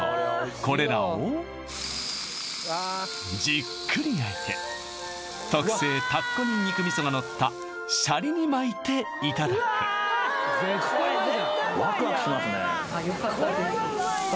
これらをじっくり焼いて特製田子ニンニク味噌がのったシャリに巻いていただく・よかったです